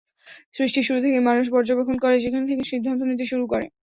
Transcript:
সৃষ্টির শুরু থেকে মানুষ পর্যবেক্ষণ করে সেখান থেকে সিদ্ধান্ত নিতে শুরু করে।